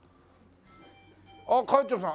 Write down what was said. あっ館長さん。